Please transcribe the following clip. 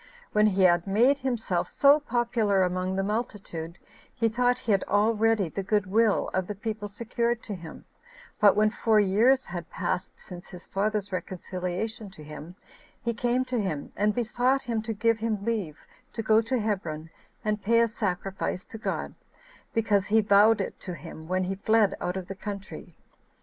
When he had made himself so popular among the multitude, he thought he had already the good will of the people secured to him; but when four years 16 had passed since his father's reconciliation to him, he came to him, and besought him to give him leave to go to Hebron, and pay a sacrifice to God, because he vowed it to him when he fled out of the country.